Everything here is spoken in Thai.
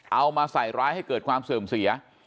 เอามาใส่ร้ายให้เกิดความเสื่อมเสีย